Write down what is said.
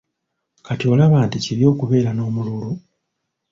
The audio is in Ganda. Kati olaba nti kibi okubeera n'omululu?